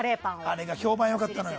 あれが評判良かったのよ。